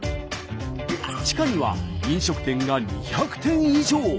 地下には飲食店が２００店以上。